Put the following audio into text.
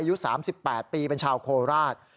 อายุ๓๘ปีเป็นชาวโคราช